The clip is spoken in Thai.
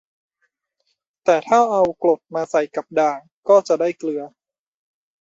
แต่ถ้าเอากรดมาใส่กับด่าง ก็จะได้เกลือ